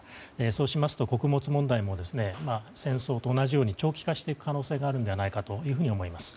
そうしますと、穀物問題も戦争と同じように長期化していく可能性があるのではないかと思います。